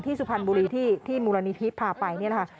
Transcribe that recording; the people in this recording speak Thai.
สุพรรณบุรีที่มูลนิธิพาไปนี่แหละค่ะ